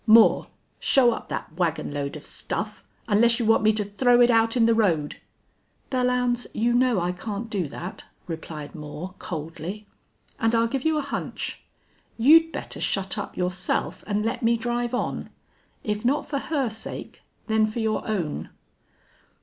"Moore, show up that wagon load of stuff unless you want me to throw it out in the road." "Belllounds, you know I can't do that," replied Moore, coldly. "And I'll give you a hunch. You'd better shut up yourself and let me drive on.... If not for her sake, then for your own."